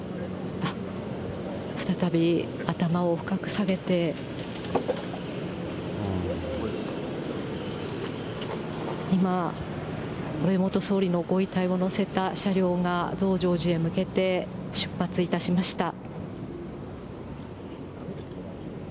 再び頭を深く下げて、今、安倍元総理のご遺体を乗せた車両が増上寺へ向けて出発いたしました。